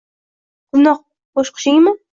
Quvnoq o’qshig’imni?